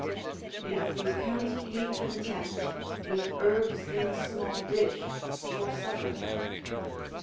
["If you can't be content with herbs in a small dish for supper."